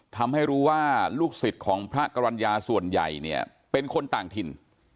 ทำให้รู้ว่าลูกศิษย์ของพระกรรณญาส่วนใหญ่เนี่ยเป็นคนต่างถิ่น